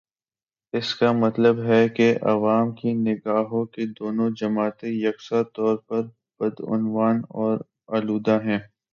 اس کا مطلب ہے کہ عوام کی نگاہوں میں دونوں جماعتیں یکساں طور پر بدعنوان اور آلودہ ہیں۔